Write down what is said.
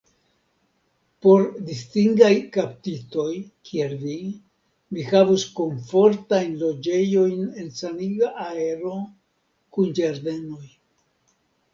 Por distingaj kaptitoj, kiel vi, mi havus komfortajn loĝejojn en saniga aero, kun ĝardenoj.